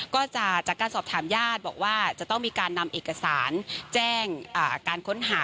ก็จากการสอบถามญาติบอกว่าจะต้องมีการนำเอกสารแจ้งการค้นหา